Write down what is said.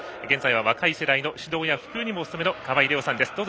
現在は若い世代の指導や普及にもお務めの川合レオさんです。